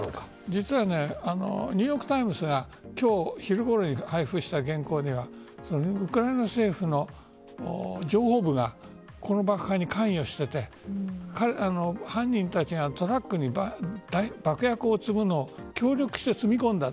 実はニューヨークタイムスが今日昼ごろに配布した原稿にはウクライナ政府の情報部がこの爆破に関与していて犯人たちがトラックに爆薬を積むのを協力して積み込んだ。